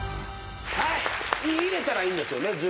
入れたらいいんですよね？